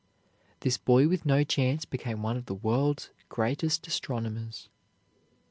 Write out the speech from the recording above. This boy with no chance became one of the world's greatest astronomers.